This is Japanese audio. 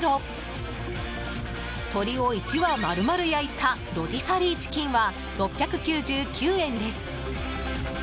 鶏を１羽丸々焼いたロティサリーチキンは６９９円です。